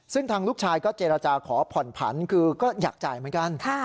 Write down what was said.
ซึ่งทางลูกชายก็เจรจาขอผ่อนผันคือก็อยากจ่ายเหมือนกัน